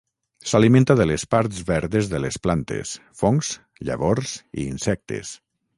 S'alimenta de les parts verdes de les plantes, fongs, llavors i insectes.